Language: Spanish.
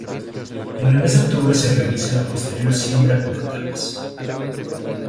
En el mes de octubre se realiza la posterior siembra por etapas.